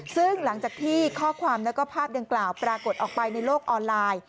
ซึ่งหลังจากที่ข้อความแล้วก็ภาพดังกล่าวปรากฏออกไปในโลกออนไลน์